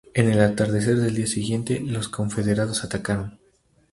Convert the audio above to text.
En el atardecer del día siguiente, los confederados atacaron.